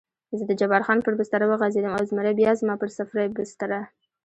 زه د جبار خان پر بستره وغځېدم او زمری بیا زما پر سفرۍ بستره.